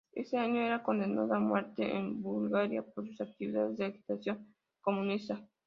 Ese año era condenado a muerte en Bulgaria por sus actividades de agitación comunista.